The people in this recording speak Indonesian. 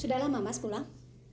sudah lama mas pulang